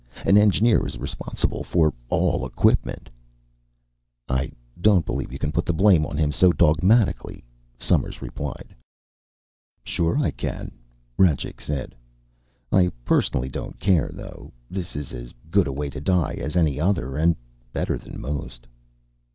An engineer is responsible for all equipment." "I don't believe you can put the blame on him so dogmatically," Somers replied. "Sure I can," Rajcik said. "I personally don't care, though. This is as good a way to die as any other and better than most."